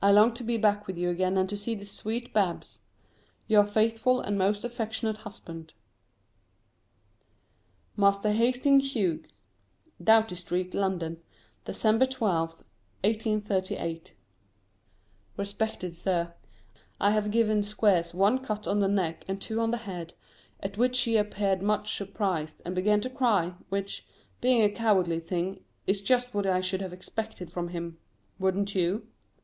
I long to be back with you again and to see the sweet Babs. Your faithful and most affectionate Husband. [Sidenote: Master Hastings Hughes.] DOUGHTY STREET, LONDON, Dec. 12th, 1838. RESPECTED SIR, I have given Squeers one cut on the neck and two on the head, at which he appeared much surprised and began to cry, which, being a cowardly thing, is just what I should have expected from him wouldn't you?